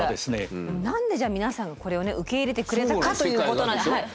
何でじゃあ皆さんがこれをね受け入れてくれたかということなんです。